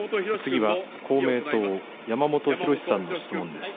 次は公明党の山本博司さんの質問です。